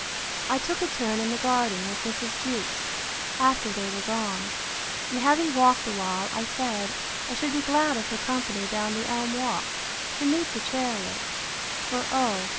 I took a turn in the garden with Mrs. Jewkes, after they were gone: And having walked a while, I said, I should be glad of her company down the elm walk, to meet the chariot: For, O!